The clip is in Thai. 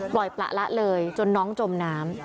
ประละเลยจนน้องจมน้ำ